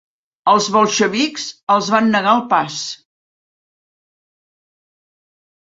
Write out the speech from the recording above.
Els bolxevics els van negar el pas.